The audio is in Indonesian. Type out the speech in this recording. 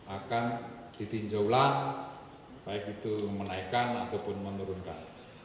akan ditinjau ulang baik itu menaikkan ataupun menurunkan